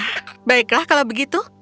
nah baiklah kalau begitu